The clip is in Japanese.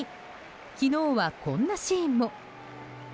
昨日はこんなシーンも。